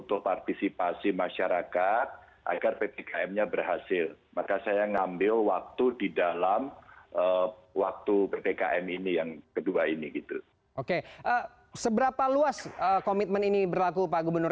oke seberapa luas komitmen ini berlaku pak gubernur